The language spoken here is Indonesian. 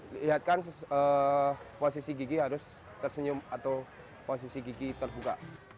lihatkan posisi gigi harus tersenyum atau posisi gigi terbuka